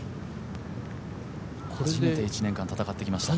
初めて１年間戦ってきました。